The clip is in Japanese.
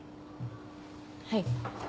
はい。